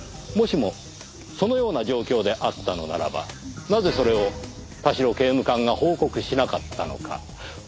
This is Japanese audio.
もしもそのような状況であったのならばなぜそれを田代刑務官が報告しなかったのか？